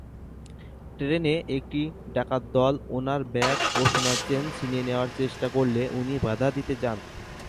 ট্রেনে একটি ডাকাত দল ওনার ব্যাগ ও সোনার চেন ছিনিয়ে নেওয়ার চেষ্টা করলে উনি বাঁধা দিতে যান।